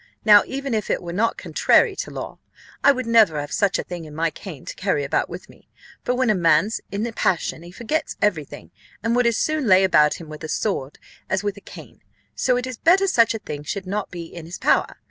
Now even if it were not contrary to law, I would never have such a thing in my cane to carry about with me; for when a man's in a passion he forgets every thing, and would as soon lay about him with a sword as with a cane: so it is better such a thing should not be in his power.